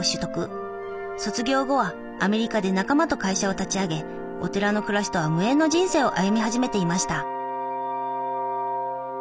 卒業後はアメリカで仲間と会社を立ち上げお寺の暮らしとは無縁の人生を歩み始めていました。